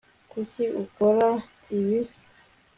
kuki ukora ibi